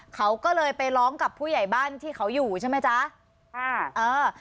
เขาก็เลยไปร้องกับผู้ใหญ่บ้านที่เขาอยู่ใช่ไหมจ๊ะอ่าเออ